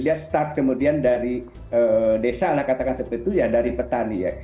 dia start kemudian dari desa lah katakan seperti itu ya dari petani ya